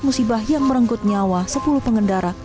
musibah yang merenggut nyawa sepuluh pengendara